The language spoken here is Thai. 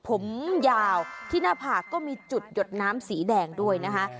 ผมยาวที่หน้าผากก็มีจุดหยดน้ำสีแดงด้วยนะคะ